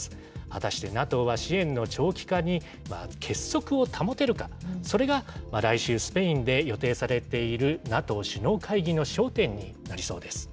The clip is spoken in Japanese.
果たしてＮＡＴＯは支援の長期化に結束を保てるか、それが来週、スペインで予定されているＮＡＴＯ首脳会議の焦点になりそうです。